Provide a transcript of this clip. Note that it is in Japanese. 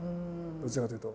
どちらかというと。